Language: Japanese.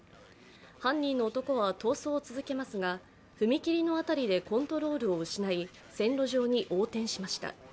犯人の男は逃走を続けますが、踏切の辺りでコントロールを失い線路上に横転しました。